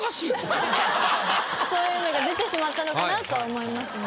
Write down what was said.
そういうのが出てしまったのかなと思いますね。